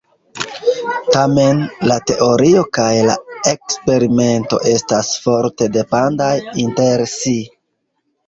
Tamen, la teorio kaj la eksperimento estas forte dependaj inter si.